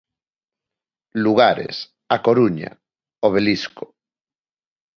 Lugares: A Coruña: Obelisco.